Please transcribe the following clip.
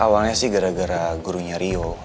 awalnya sih gara gara gurunya rio